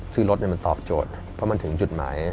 ซื้อรถมันตอบโจทย์เพราะมันถึงจุดหมาย